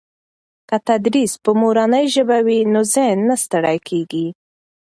که تدریس په مورنۍ ژبه وي نو ذهن نه ستړي کېږي.